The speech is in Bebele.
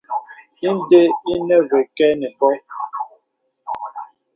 Inde enə və kə̀ nə bô.